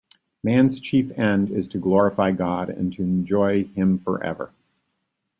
Man's chief end is to glorify God, and to enjoy him forever.